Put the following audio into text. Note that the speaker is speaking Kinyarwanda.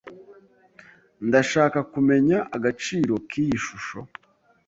Ndashaka kumenya agaciro kiyi shusho.